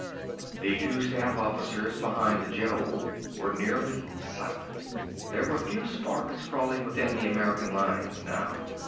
The two staff officers behind the general were nearly silent. There were few sparks crawling within the American lines now.